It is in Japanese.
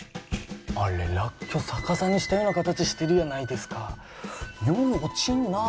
あれらっきょ逆さにしたような形してるやないですかよう落ちんなあ